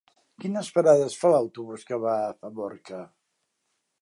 Quines parades fa l'autobús que va a Famorca?